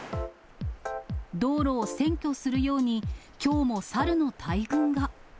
道路を占拠するように、きょうもサルの大群が。